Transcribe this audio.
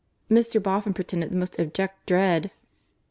Mr. Boffin pretended the most abject dread.